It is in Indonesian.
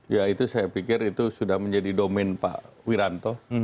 ya itu saya pikir itu sudah menjadi domen pak wiranto